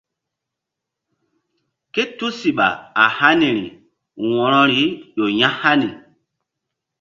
Ké tusiɓa a haniri wo̧roi ƴo ya̧hani.